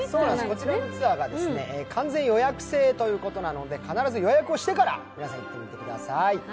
こちらのツアーが完全予約制ということなので、必ず予約をしてから行ってください。